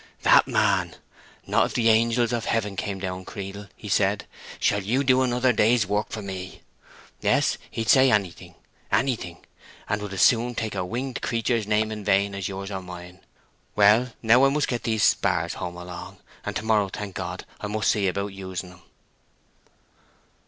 "That man! 'Not if the angels of heaven come down, Creedle,' he said, 'shall you do another day's work for me!' Yes—he'd say anything—anything; and would as soon take a winged creature's name in vain as yours or mine! Well, now I must get these spars home along, and to morrow, thank God, I must see about using 'em."